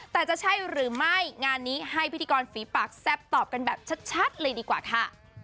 แต่จะใช่หรือไม่งานนี้ให้พิธีกรฝีปากแซ่บตอบกันแบบชัดเลยดีกว่าค่ะ